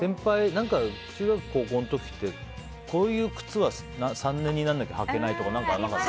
中学、高校の時ってこういう靴は３年になんなきゃ履けないとか何かなかった？